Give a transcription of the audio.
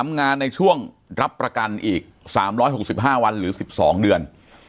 งานในช่วงรับประกันอีก๓๖๕วันหรือ๑๒เดือน